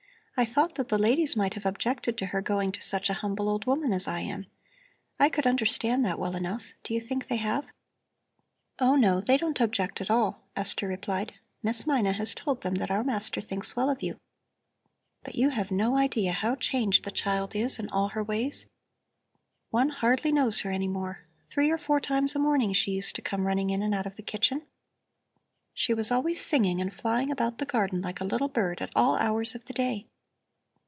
I thought that the ladies might have objected to her going to such a humble old woman as I am. I could understand that well enough. Do you think they have?" "Oh no, they don't object at all," Esther replied. "Miss Mina has told them that our master thinks well of you. But you have no idea how changed the child is in all her ways. One hardly knows her any more. Three or four times a morning she used to come running in and out of the kitchen. She was always singing and flying about the garden like a little bird, at all hours of the day.